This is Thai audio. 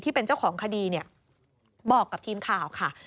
ที่เป็นเจ้าของคดีเนี่ยบอกกับทีมข่าวค่ะ